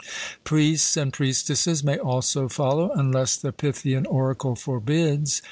Priests and priestesses may also follow, unless the Pythian oracle forbids.